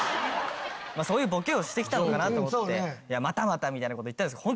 そういうボケをしてきたのかな？と思って「いやまたまた」みたいな事を言ったんですけど。